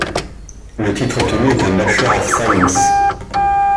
Le titre obtenu est un Bachelor of science.